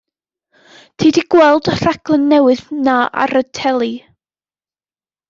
Ti 'di gweld y rhaglen newydd 'na ar y teli?